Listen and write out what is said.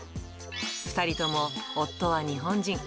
２人とも夫は日本人。